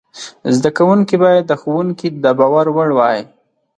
زده کوونکي باید د ښوونکي د باور وړ وای.